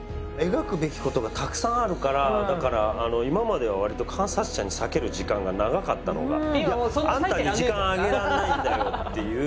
描くべきことがたくさんあるからだから今まではわりと観察者に割ける時間が長かったのが「あんたに時間あげられないんだよ」っていう。